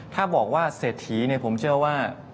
ถ้าบอกว่าเศรษฐีผมเชื่อว่า